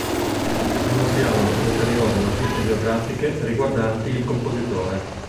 Non si hanno ulteriori notizie biografiche riguardanti il compositore.